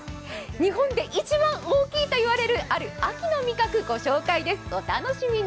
日本で一番、大きいと言われるある秋の味覚を御紹介です、お楽しみに。